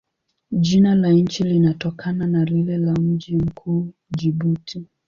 Jina la nchi linatokana na lile la mji mkuu, Jibuti.